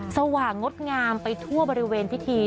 สว่างดงามไปทั่วบริเวณพิธี